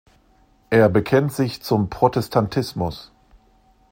Er bekennt sich zum Protestantismus.